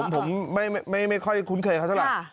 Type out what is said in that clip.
ผมไม่ค่อยคุ้นเคยเขาเท่าไหร่